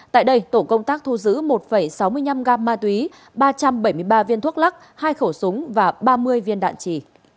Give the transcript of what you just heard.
tại đây tổ công tác thu giữ một sáu mươi năm gam ma túy ba trăm bảy mươi ba viên thuốc lắc hai khẩu súng và ba mươi viên đạn trì